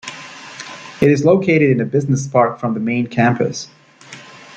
It is located in a business park from the Main Campus.